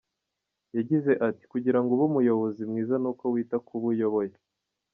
Yagize ati “Kugira ngo ube umuyobozi mwiza ni uko wita ku bo uyoboye.